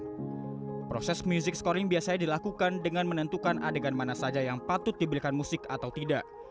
masukkan proses music scoring biasanya dilakukan dengan menentukan adegan mana saja yang patut diberikan musik atau tidak